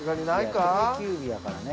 定休日やからね。